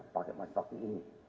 pakai mandi mandi ini